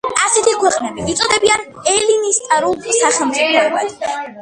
ასეთი ქვეყნები იწოდებიან ელინისტურ სახელმწიფოებად.